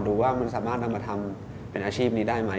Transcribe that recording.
ดูว่ามันสามารถนำมาทำเป็นอาชีพนี้ได้ไหม